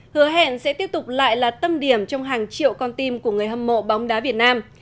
hứa hẹn sẽ tiếp tục lại là tâm điểm trong hàng triệu con tim của người hâm mộ bóng đá việt nam